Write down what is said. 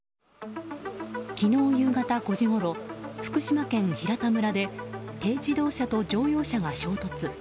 昨日夕方５時ごろ福島県平田村で軽自動車と乗用車が衝突。